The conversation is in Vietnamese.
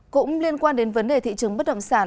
cũng liên quan đến vấn đề thị trường bất động sản